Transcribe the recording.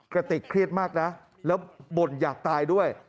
กระติกเครียดมากนะแล้วบ่นอยากตายด้วย